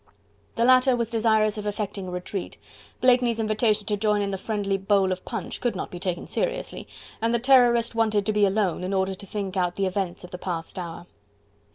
The latter was desirous of effecting a retreat. Blakeney's invitation to join in the friendly bowl of punch could not be taken seriously, and the Terrorist wanted to be alone, in order to think out the events of the past hour.